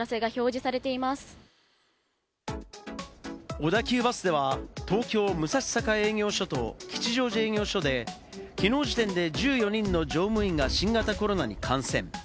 小田急バスでは、東京・武蔵境営業所と吉祥寺営業所できのう時点で１４人の乗務員が新型コロナに感染。